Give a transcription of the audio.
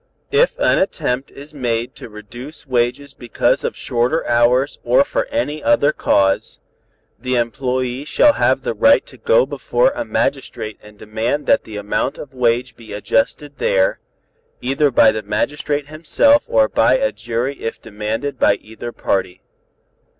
"If an attempt is made to reduce wages because of shorter hours or for any other cause, the employé shall have the right to go before a magistrate and demand that the amount of wage be adjusted there, either by the magistrate himself or by a jury if demanded by either party.